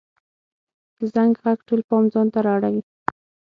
د زنګ ږغ ټول پام ځانته را اړوي.